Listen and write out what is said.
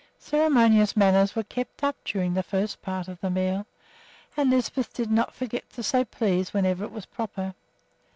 Ceremonious manners were kept up during the first part of the meal, and Lisbeth did not forget to say "please" whenever it was proper.